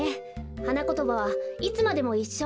はなことばは「いつまでもいっしょ」。